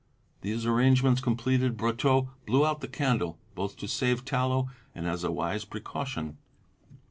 These arrangements completed, Brotteaux blew out the candle both to save tallow and as a wise precaution.